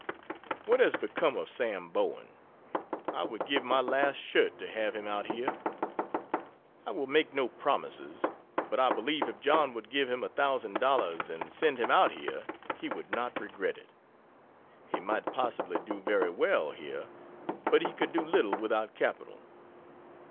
What has become of Sam Bowen? I would give my last shirt to have him out here. I will make no promises, but I believe if John would give him a thousand dollars and send him out here he would not regret it. He might possibly do very well here, but he could do little without capital.